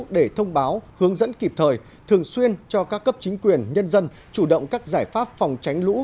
để thông báo hướng dẫn kịp thời thường xuyên cho các cấp chính quyền nhân dân chủ động các giải pháp phòng tránh lũ